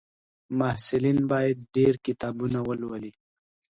محصلین باید ډېر کتابونه ولولي.